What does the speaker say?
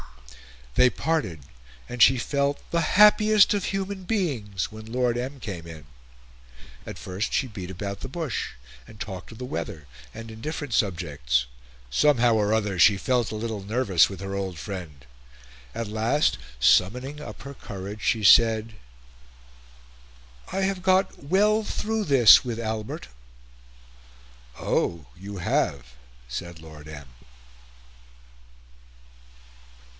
They parted, and she felt "the happiest of human beings," when Lord M. came in. At first she beat about the bush, and talked of the weather, and indifferent subjects. Somehow or other she felt a little nervous with her old friend. At last, summoning up her courage, she said, "I have got well through this with Albert." "Oh! you have," said Lord M.